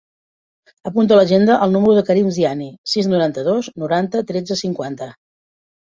Apunta a l'agenda el número del Karim Ziani: sis, noranta-dos, noranta, tretze, cinquanta.